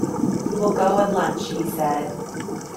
"We will go and lunch," he said.